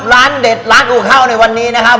ร้านเด็ดร้านอูฮาวในวันนี้นะครับ